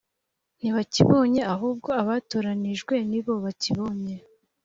ntibakibonye ahubwo abatoranijwe ni bo bakibonye